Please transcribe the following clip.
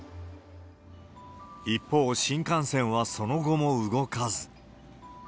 一方、新幹線はその後も動かず。